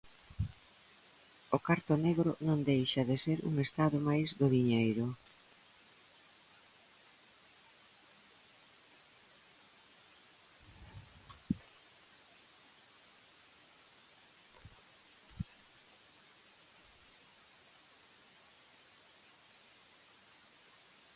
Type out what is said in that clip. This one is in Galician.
O carto negro non deixa de ser un estado mais do diñeiro.